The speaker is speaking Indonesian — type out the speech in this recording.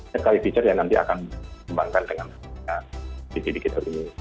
sekali fitur yang nanti akan dikembangkan dengan tv tv kita dulu ini